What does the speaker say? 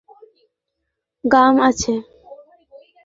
হেই, শেষ একটা প্রাণ বাবল গাম আছে।